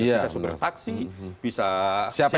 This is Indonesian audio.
bisa super taksi bisa siapapun